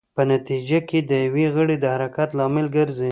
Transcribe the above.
په نتېجه کې د یو غړي د حرکت لامل ګرځي.